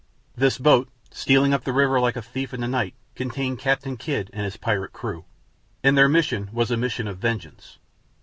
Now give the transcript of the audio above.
This boat, stealing up the river like a thief in the night, contained Captain Kidd and his pirate crew, and their mission was a mission of vengeance.